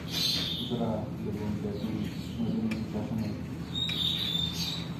Зыра, Левонтий Акимыч, мый денем ӱчашынет.